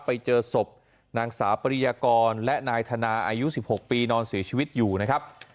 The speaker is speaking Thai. ไปเจอศพนางสาวปริยากรและนายธนาอายุ๑๖ปีนอนเสียชีวิตอยู่นะครับ